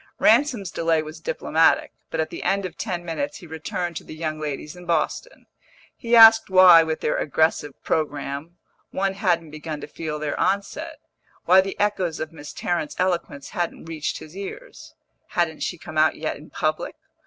Ransom's delay was diplomatic, but at the end of ten minutes he returned to the young ladies in Boston; he asked why, with their aggressive programme, one hadn't begun to feel their onset, why the echoes of Miss Tarrant's eloquence hadn't reached his ears. Hadn't she come out yet in public?